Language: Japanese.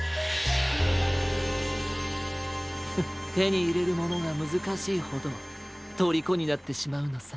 フッてにいれるものがむずかしいほどとりこになってしまうのさ。